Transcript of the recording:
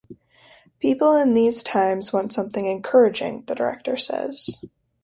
People in these times want something encouraging, the director says.